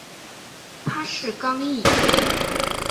他是刚铎。